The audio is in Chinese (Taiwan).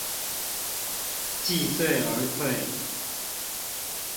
既醉而退